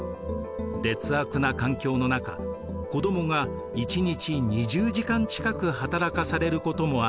劣悪な環境の中子どもが１日２０時間近く働かされることもあったといいます。